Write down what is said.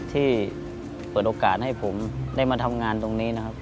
ที่เปิดโอกาสให้ผมได้มาทำงานตรงนี้นะครับ